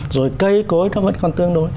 rồi cây cối nó vẫn còn tương đối